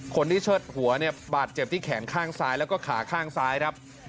เชิดหัวเนี่ยบาดเจ็บที่แขนข้างซ้ายแล้วก็ขาข้างซ้ายครับ